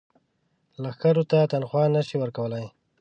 لښکرو ته تنخوا نه شي ورکولای.